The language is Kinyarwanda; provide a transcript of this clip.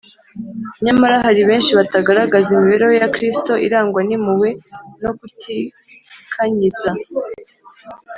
nyamara hari benshi batagaragaza imibereho ya kristo irangwa n’impuhwe no kutikanyiza